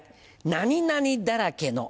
「何々だらけの」